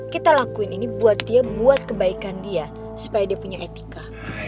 kita lakuin ini buat dia buat kebaikan dia supaya dia punya etika